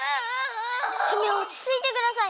姫おちついてください！